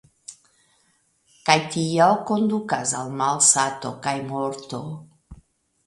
Kaj tio kondukas al malsato kaj morto.